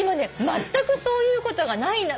まったくそういうことがない。